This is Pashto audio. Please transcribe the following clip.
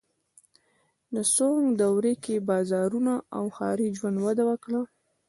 د سونګ دورې کې بازارونه او ښاري ژوند وده وکړه.